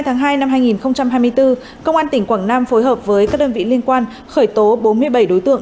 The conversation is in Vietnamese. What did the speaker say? ngày hai tháng hai năm hai nghìn hai mươi bốn công an tỉnh quảng nam phối hợp với các đơn vị liên quan khởi tố bốn mươi bảy đối tượng